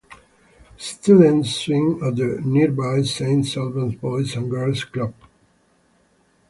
Students swim at the nearby Saint Alban's Boys' and Girls' Club.